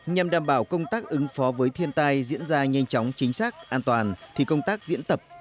nhằm đảm bảo công tác ứng phó với thiên tai diễn ra nhanh chóng chính xác an toàn thì công tác diễn tập